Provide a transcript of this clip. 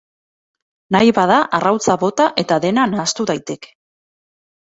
Nahi bada arrautza bota eta dena nahastu daiteke.